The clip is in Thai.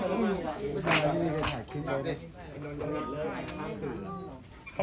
มีแต่ตัวที่หลบ